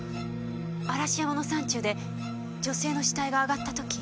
嵐山の山中で女性の死体が上がった時。